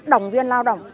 đồng viên lao động